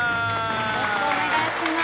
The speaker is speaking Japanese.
よろしくお願いします！